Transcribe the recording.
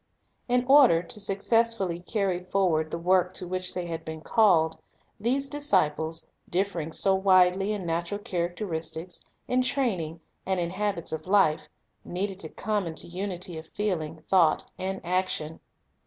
In order successfully to carry forward the work to which they had been called, these disciples, differing so widely in natural characteristics, in training, and in habits of life, needed to come into unity of feeling, thought, and action.